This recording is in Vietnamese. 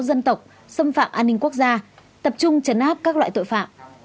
dân tộc xâm phạm an ninh quốc gia tập trung chấn áp các loại tội phạm